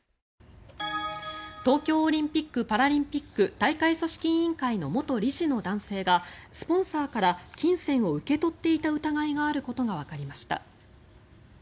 東京オリンピック・パラリンピック大会組織委員会の元理事の男性がスポンサーから金銭を受け取っていた疑いがあることがわかりました。